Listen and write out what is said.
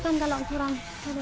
ini diberikan kalau kurang